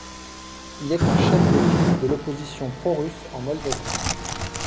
Il est un chef de file de l'opposition pro-russe en Moldavie.